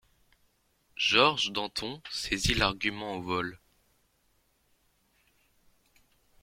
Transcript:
Georges Danton saisit l'argument au vol.